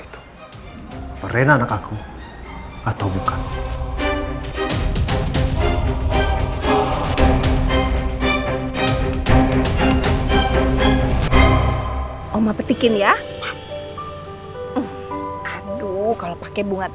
tadi aku udah mariin om baik